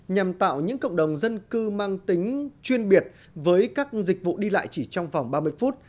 nhằm tạo những cộng đồng dân cư mang tính chuyên biệt với các dịch vụ đi lại chỉ trong vòng ba mươi phút